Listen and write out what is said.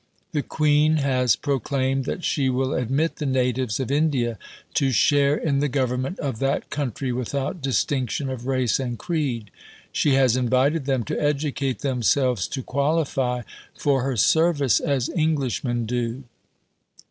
"The Queen has proclaimed that she will admit the natives of India to share in the government of that country without distinction of race and creed. She has invited them to educate themselves to qualify for her service as Englishmen do.